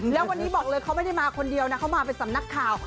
แล้ววันนี้บอกเลยเขาไม่ได้มาคนเดียวนะเขามาเป็นสำนักข่าว